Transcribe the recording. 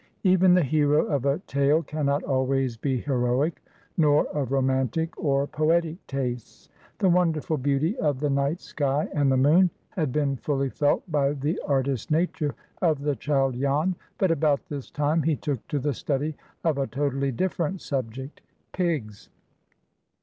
EVEN the hero of a tale cannot always be heroic, nor of romantic or poetic tastes. The wonderful beauty of the night sky and the moon had been fully felt by the artist nature of the child Jan; but about this time he took to the study of a totally different subject,—pigs.